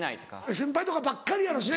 先輩とかばっかりやろうしね